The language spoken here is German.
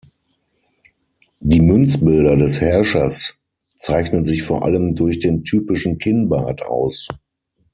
Die Münzbilder des Herrschers zeichnen sich vor allem durch den typischen Kinnbart aus.